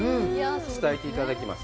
伝えていただきます。